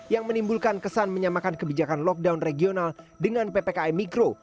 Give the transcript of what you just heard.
yang menimbulkan kesan menyamakan kebijakan lockdown regional dengan ppkm mikro